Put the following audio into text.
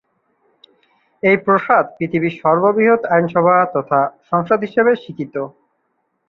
এই প্রাসাদ পৃথিবীর সর্ববৃহৎ আইনসভা তথা সংসদ হিসেবে স্বীকৃত।